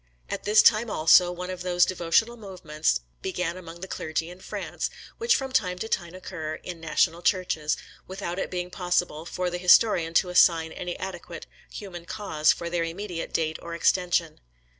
At this time, also, one of those devotional movements began among the clergy in France, which from time to time occur in national Churches, without it being possible for the historian to assign any adequate human cause for their immediate date or extension.